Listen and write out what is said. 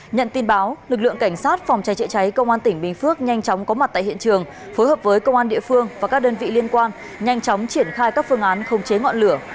nhận tin báo lực lượng cảnh sát phòng cháy chữa cháy công an tỉnh bình phước nhanh chóng có mặt tại hiện trường phối hợp với công an địa phương và các đơn vị liên quan nhanh chóng triển khai các phương án khống chế ngọn lửa